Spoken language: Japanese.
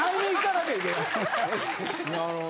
なるほどな。